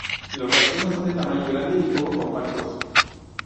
Los racimos son de tamaño grande y poco compactos.